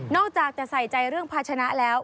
อกจากจะใส่ใจเรื่องภาชนะแล้ว